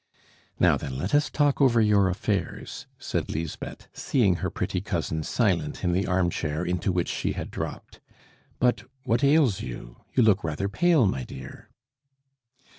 "Now, then, let us talk over your affairs," said Lisbeth, seeing her pretty cousin silent in the armchair into which she had dropped. "But what ails you? You look rather pale, my dear."